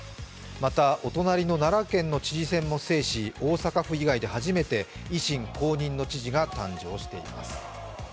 また、お隣の奈良県の知事も制し、大阪府以外で初めて維新公認の知事が誕生しています。